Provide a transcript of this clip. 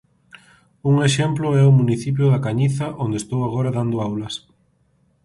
Un exemplo é o municipio da Cañiza onde estou agora dando aulas.